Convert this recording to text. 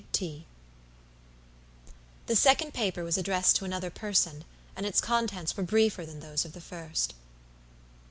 G.T." The second paper was addressed to another person, and its contents were briefer than those of the first.